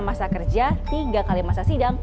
masa kerja tiga kali masa sidang